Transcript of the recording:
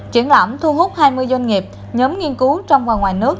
triển lãm thu hút hai mươi doanh nghiệp nhóm nghiên cứu trong và ngoài nước